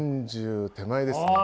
４０手前ですね。